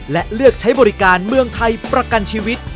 และเลือกใช้บริการเมืองไทยประกันชีวิต